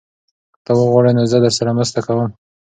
که ته وغواړې نو زه درسره مرسته کوم.